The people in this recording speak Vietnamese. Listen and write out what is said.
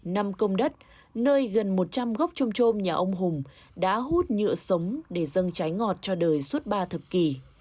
năm công đất nơi gần một trăm linh gốc chôm trôm nhà ông hùng đã hút nhựa sống để dâng trái ngọt cho đời suốt ba thập kỷ